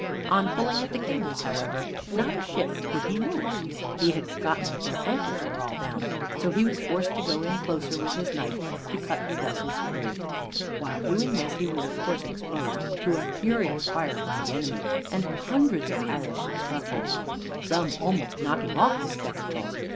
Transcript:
On pulling at the cables, however, not a ship could he move. He had forgotten that their anchors were all down. So he was forced to go in closer and with his knife to cut the vessels free. While doing this he was of course exposed to a furious fire from the enemy, and hundreds of arrows struck him, some almost knocking off his spectacles.